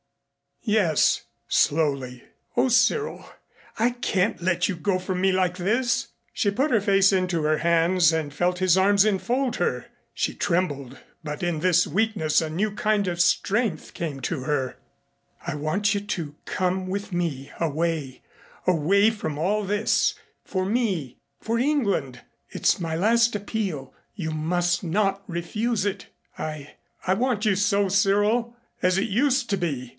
"Yes " slowly. "O Cyril I can't let you go from me like this " She put her face to her hands and felt his arms enfold her. She trembled, but in this weakness a new kind of strength came to her. "I want you to come with me away away from all this for me for England. It's my last appeal you must not refuse it. I I want you so, Cyril, as it used to be."